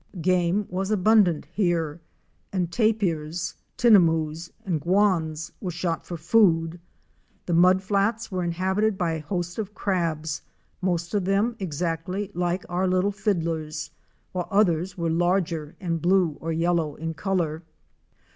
Game was abundant here and tapirs, Tinamous and Guans were shot for food. The mudflats were inhabited by a host of crabs; most of them exactly like our little fiddlers, while others were larger and blue or yellow in color.